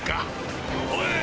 おい！